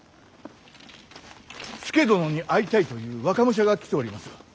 佐殿に会いたいという若武者が来ておりますが。